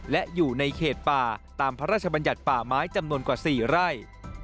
และอยู่ในเขตป่าตามพระราชบัญญัติป่าไม้จำนวนกว่า๔ไร่